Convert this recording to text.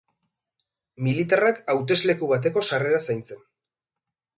Militarrak, hautesleku bateko sarrera zaintzen.